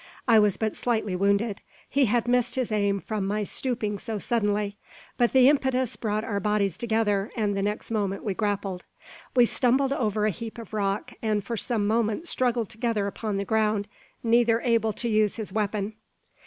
I was but slightly wounded. He had missed his aim from my stooping so suddenly; but the impetus brought our bodies together, and the next moment we grappled. We stumbled over a heap of rock, and for some moments struggled together upon the ground, neither able to use his weapon.